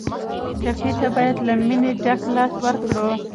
ټپي ته باید له مینې ډک لاس ورکړو.